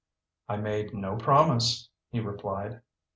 "I made no promise," he replied.